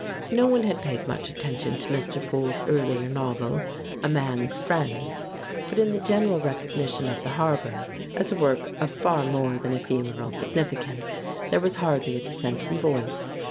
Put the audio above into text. No one had paid much attention to Mr. Poole's earlier novel, "A Man's Friends," but in the general recognition of "The Harbor," as a work of far more than ephemeral significance, there was hardly a dissenting voice.